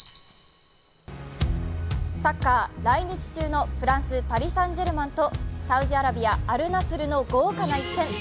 サッカー、来日中のフランス、パリ・サン＝ジェルマンとサウジアラビア、アル・ナスルの豪華な一戦。